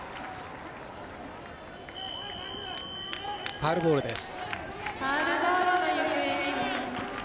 ファウルボールです。